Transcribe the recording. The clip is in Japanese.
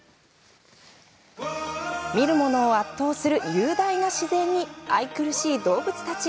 見るものを圧倒する雄大な自然に愛くるしい動物たち。